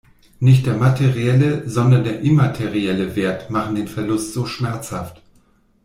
Nicht der materielle, sondern der immaterielle Wert machen den Verlust so schmerzhaft.